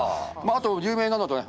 あと有名なのだとね